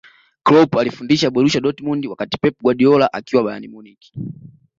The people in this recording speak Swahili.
Kloop alifundisha borusia dortmund wakati pep guardiola akiwa bayern munich